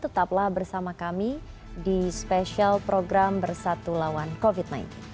tetaplah bersama kami di spesial program bersatu lawan covid sembilan belas